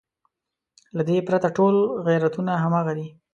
له دې پرته ټول غیرتونه همغه دي.